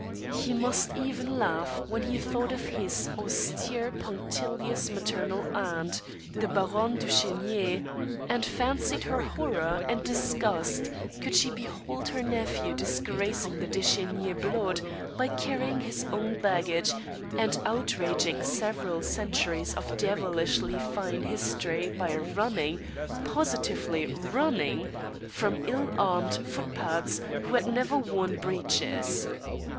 He must even laugh when he thought of his, austere punctilious maternal aunt, the Baronne de Chenier, and fancied her horror and disgust could she behold her nephew disgracing the De Chenier blood by carrying his own baggage and outraging several centuries of devilishly fine history by running positively running from ill armed footpads who had never worn breeches.